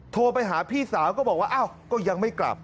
โทรไปหาพี่สาวก็บอกว่าอ้าวก็ยังไม่กลับ